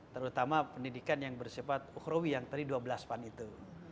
terutama pendidikan yang bersifat ukrawi yang tadi dua belas pan itu